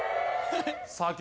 えっ？